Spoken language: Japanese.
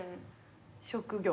職業？